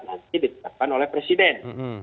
nanti ditetapkan oleh presiden